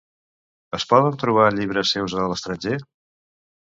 Es poden trobar llibres seus a l'estranger?